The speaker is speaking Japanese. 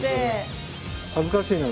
恥ずかしいな。